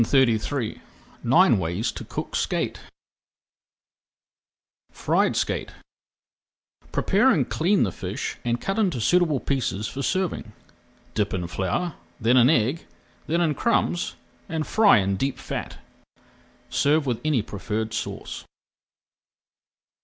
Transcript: [Page 363] NINE WAYS TO COOK SKATE FRIED SKATE Prepare and clean the fish and cut into suitable pieces for serving. Dip in flour, then in egg, then in crumbs, and fry in deep fat. Serve with any preferred sauce.